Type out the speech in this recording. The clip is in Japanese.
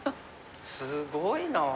すごいなあ。